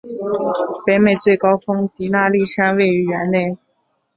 北美最高峰迪纳利山位于园内。